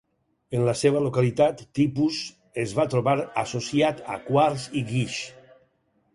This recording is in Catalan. En la seva localitat tipus es va trobar associat a quars i guix.